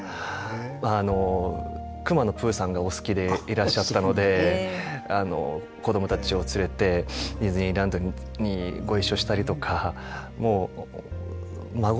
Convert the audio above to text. あのくまのプーさんがお好きでいらっしゃったので子供たちを連れてディズニーランドにご一緒したりとかもう孫には本当に甘々でしたね。